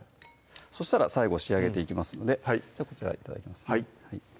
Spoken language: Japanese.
そしたら最後仕上げていきますのでこちら頂きますねはい